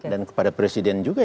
dan kepada presiden juga